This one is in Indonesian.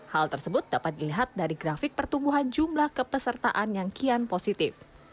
hal tersebut dapat dilihat dari grafik pertumbuhan jumlah kepesertaan yang kian positif